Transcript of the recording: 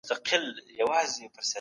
زده کړه د انسان حق او ضرورت دی.